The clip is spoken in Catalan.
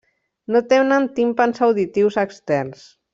No tenen timpans auditius externs.